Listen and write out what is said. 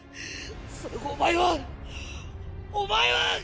それをお前はお前は！